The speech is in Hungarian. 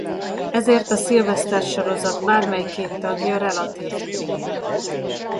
Ezért a Sylvester-sorozat bármely két tagja relatív prím.